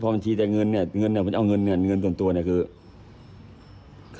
บัญชีแต่เงินเนี่ยเงินเนี่ยมันเอาเงินเนี่ยเงินส่วนตัวเนี่ยคือ